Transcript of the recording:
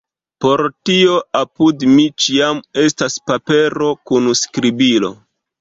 Por tio apud mi ĉiam estas papero kun skribilo.